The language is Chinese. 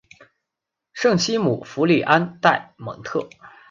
圣西姆福里安代蒙特。